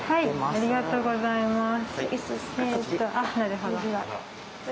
ありがとうございます。